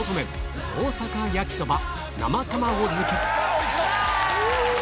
おいしそう！